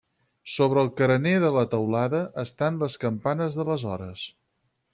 Sobre el carener de la teulada, estan les campanes de les hores.